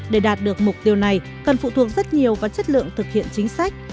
để đạt được mục tiêu này cần phụ thuộc rất nhiều vào chất lượng thực hiện chính sách